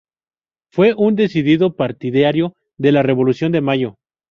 Fue un decidido partidario de la Revolución de Mayo.